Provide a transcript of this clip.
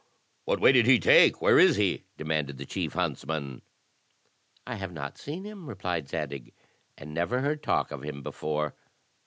"What way did he take? Where is he?" demanded the chief huntsman. "I have not seen him," replied Zadig, "and never heard talk of him before."